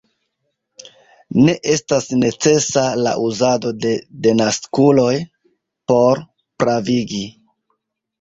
Ne estas necesa la uzado de denaskuloj por pravigi.